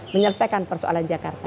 menyelesaikan persoalan jakarta